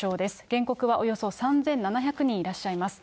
原告はおよそ３７００人いらっしゃいます。